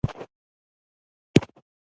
په سپور کې مجهول واو راغلی دی.